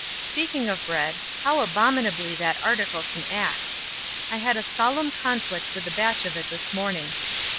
Speaking of bread, how abominably that article can act. I had a solemn conflict with a batch of it this morning.